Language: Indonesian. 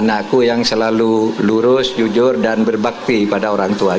anakku yang selalu lurus jujur dan berbakti pada orang tua